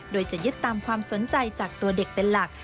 โดยจะยึดตามความสนใจจากตัวเด็กเป็นหลัก